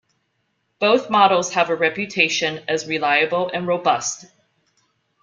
Both models have a reputation as reliable and robust.